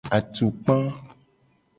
Atukpa.